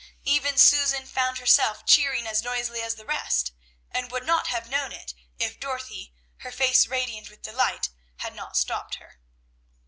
Even Susan found herself cheering as noisily as the rest, and would not have known it, if Dorothy, her face radiant with delight, had not stopped her.